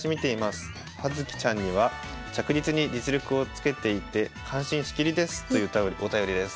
葉月ちゃんには着実に実力をつけていって感心しきりです」というお便りです。